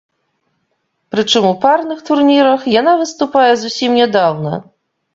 Прычым у парных турнірах яна выступае зусім нядаўна.